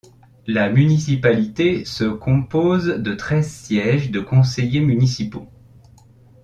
La municipalité se compose de treize sièges de conseillers municipaux.